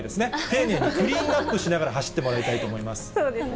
丁寧に、クリーンアップしながら走ってもらいたいと思います。